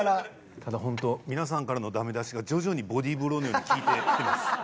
ただホント皆さんからのダメ出しが徐々にボディーブローのように効いてきてます。